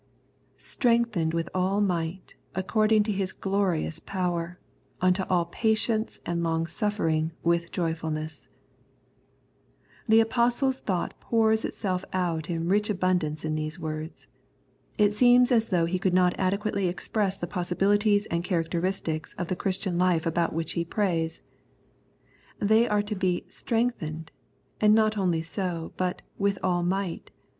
" Strengthened with all might, according to His glorious fower, unto all fatience and longsuffering with joy fulness.'^'' The Apostle's thought pours itself out in rich abundance in these words. It seems as though he could not adequately express the possibilities and characteristics of the Christian life about which he prays. They are to be " strengthened," and not only so, but " with all might."